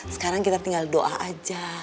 sekarang kita tinggal doa aja